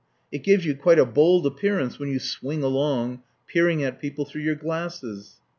It gives you quite a bold appearance when you swing along, peering at people through your glasses.